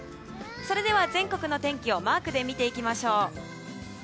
それでは全国の天気をマークで見ていきましょう。